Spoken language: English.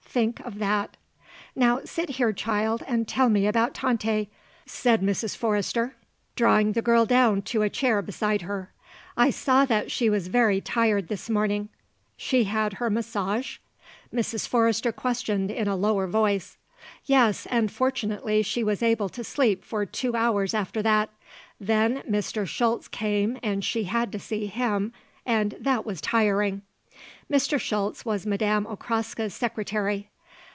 Think of that." "Now sit here, child, and tell me about Tante," said Mrs. Forrester, drawing the girl down to a chair beside her. "I saw that she was very tired this morning. She had her massage?" Mrs. Forrester questioned in a lower voice. "Yes; and fortunately she was able to sleep for two hours after that. Then Mr. Schultz came and she had to see him, and that was tiring." Mr. Schultz was Madame Okraska's secretary.